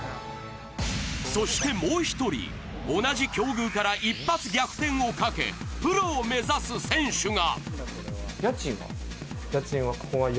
そしてもう１人、同じ境遇から一発逆転をかけプロを目指す選手が。